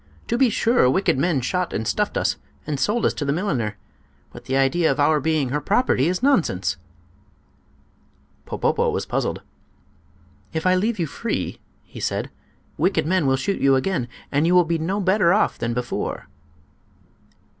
To be sure, wicked men shot and stuffed us, and sold us to the milliner; but the idea of our being her property is nonsense!" Popopo was puzzled. "If I leave you free," he said, "wicked men will shoot you again, and you will be no better off than before."